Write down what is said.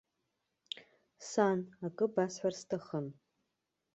Сан, акы басҳәарц сҭахын.